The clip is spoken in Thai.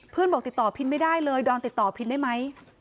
บอกติดต่อพินไม่ได้เลยดอนติดต่อพินได้ไหม